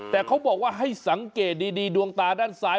แต่เขาบอกว่าให้สังเกตดีดวงตาด้านซ้าย